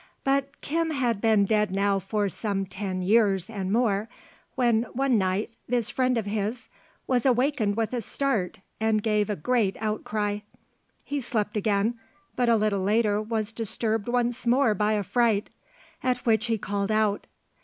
But Kim had been dead now for some ten years and more, when one night this friend of his was awakened with a start and gave a great outcry. He slept again, but a little later was disturbed once more by a fright, at which he called out.